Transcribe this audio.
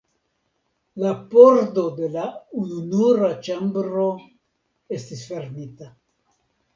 La pordo de la ununura ĉambro estis fermita.